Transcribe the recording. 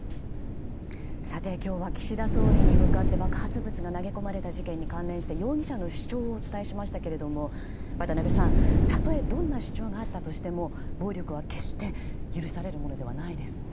今日は岸田総理に向かって爆発物が投げ込まれた事件に関連して容疑者の主張をお伝えしましたけれども渡辺さん、たとえどんな主張があったとしても暴力は決して許されるものではないですね。